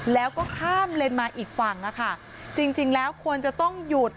แล้วก็ข้ามเลนมาอีกฝั่งอะค่ะจริงจริงแล้วควรจะต้องหยุด